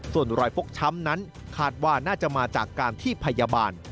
ส่วนรอยฟกช้ำนั้นคาดว่าน่าจะมาจากการที่พยาบาล